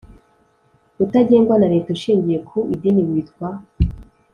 Utagengwa na leta ushingiye ku idini witwa